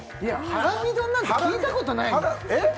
ハラミ丼なんて聞いたことないもんハラミえっ？